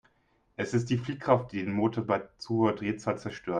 Es ist die Fliehkraft, die den Motor bei zu hoher Drehzahl zerstört.